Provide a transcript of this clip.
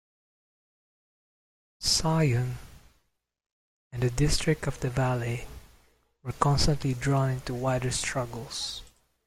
Sion and the district of the Valais were constantly drawn into wider struggles.